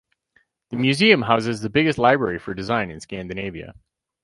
The museum houses the biggest library for design in Scandinavia.